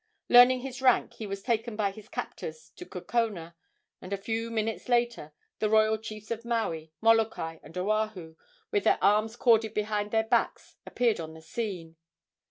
Learning his rank, he was taken by his captors to Kukona, and a few minutes later the royal chiefs of Maui, Molokai and Oahu, with their arms corded behind their backs, appeared on the scene.